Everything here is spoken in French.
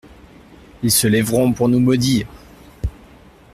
Ils se lèveront pour nous maudire.